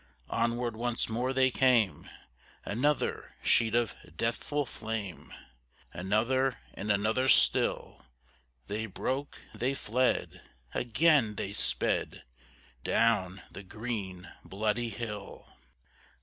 Onward once more they came; Another sheet of deathful flame! Another and another still: They broke, they fled: Again they sped Down the green, bloody hill.